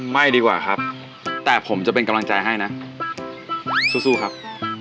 ไม่ดีกว่าครับแต่ผมจะเป็นกำลังใจให้นะสู้ครับ